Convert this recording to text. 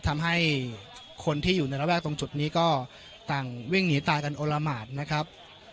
ทำให้คนที่อยู่ในระแวกตรงจุดนี้ก็ต่างวิ่งหนีตายกันโอละหมาดนะครับ